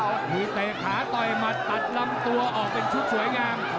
มีเตะขาต่อยหมัดตัดลำตัวออกเป็นชุดสวยงาม